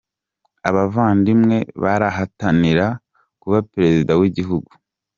Abavandimwe barahatanira kuba Perezida wigihugu